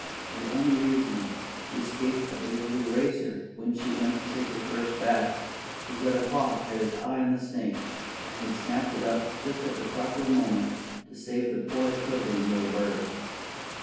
The only reason she escaped a big blue racer when she went to take her first bath, was that a hawk had his eye on the snake and snapped it up at just the proper moment to save the poor, quivering little bird.